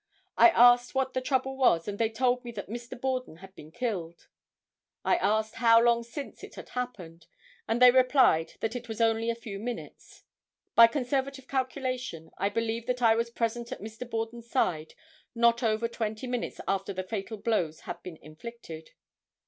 I asked what the trouble was and they told me that Mr. Borden had been killed. I asked how long since it had happened, and they replied that it was only a few minutes. By conservative calculation, I believe that I was present at Mr. Borden's side not over twenty minutes after the fatal blows had been inflicted.